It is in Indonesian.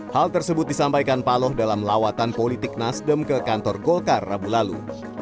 hal tersebut disampaikan paloh dalam lawatan politik nasdem ke kantor golkar rabu lalu